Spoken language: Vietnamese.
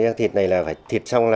thứ hai là thịt này là phải thịt xong